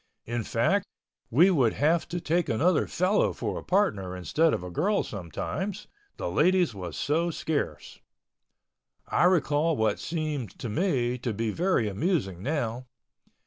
In fact, we would have to take another fellow for a partner instead of a girl sometimes—the ladies was so scarce. I recall what seems to me to be very amusing now.